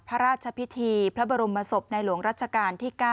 พระราชพิธีพระบรมศพในหลวงรัชกาลที่๙